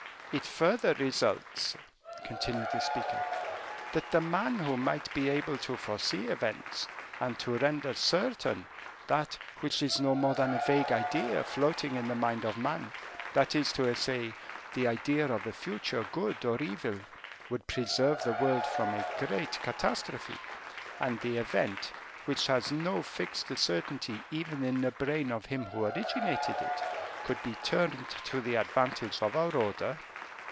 "It further results," continued the speaker, "that the man who might be able to foresee events, and to render certain that which is no more than a vague idea floating in the mind of man, that is to say, the idea of a future good or evil, would preserve the world from a great catastrophe; and the event, which has no fixed certainty even in the brain of him who originated it, could be turned to the advantage of our order."